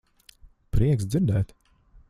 Prieks dzirdēt.